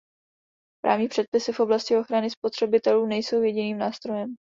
Právní předpisy v oblasti ochrany spotřebitelů nejsou jediným nástrojem.